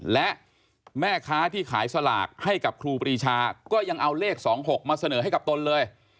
และแม่ค้าที่ขายสลากให้กับครูปรีชาก็ยังเอาเลข๒๖มาเสนอให้กับตนเลย